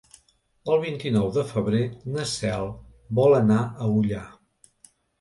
El vint-i-nou de febrer na Cel vol anar a Ullà.